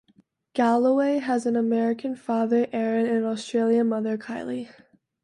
Galloway has an American father Erin and an Australian mother Kylie.